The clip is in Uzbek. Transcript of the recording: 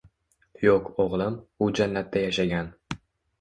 - Yo'q, o'glim. U Jannatda yashagan...